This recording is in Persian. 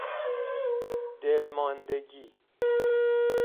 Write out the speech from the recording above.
دلماندگی